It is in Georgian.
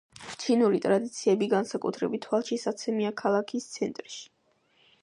ჩინური ტრადიციები განსაკუთრებით თვალშისაცემია ქალაქის ცენტრში.